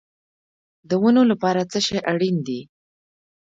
د ونو لپاره څه شی اړین دی؟